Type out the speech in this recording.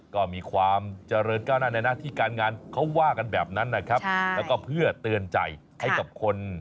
ก็มีความเจริญก้าวหน้าในหน้าที่การงานเขาว่ากันแบบนั้นนะครับแล้วก็เพื่อเตือนใจให้กับคน